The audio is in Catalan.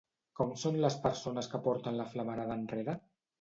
Com són les persones que porten la flamarada enrere?